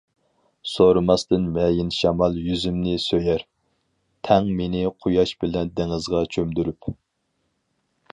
سورىماستىن مەيىن شامال يۈزۈمنى سۆيەر، تەڭ مېنى قۇياش بىلەن دېڭىزغا چۆمدۈرۈپ.